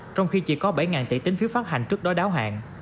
trong khi chỉ có bảy tỷ tính phiếu phát hành trước đó đáo hạn